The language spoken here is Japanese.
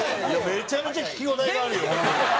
めちゃめちゃ聞き応えがあるよ。